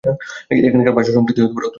এখানকার ভাষা ও সংস্কৃতি অত্যন্ত সমৃদ্ধশালী।